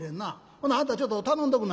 ほなあんたちょっと頼んでおくんなはれ」。